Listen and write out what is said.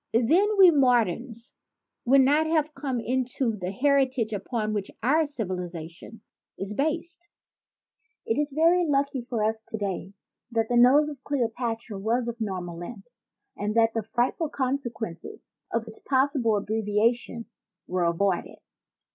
Then we moderns would not have come into the heritage upon which our civilization is based. It is very lucky for us today that the nose of Cleopatra was of a normal length and that the frightful consequences of its possible abbrevia tion were avoided.